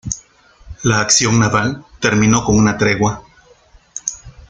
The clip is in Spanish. La acción naval terminó con una tregua.